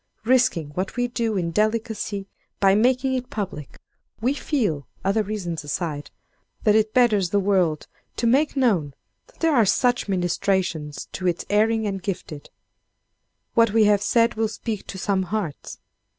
Risking what we do, in delicacy, by making it public, we feel—other reasons aside—that it betters the world to make known that there are such ministrations to its erring and gifted. What we have said will speak to some hearts.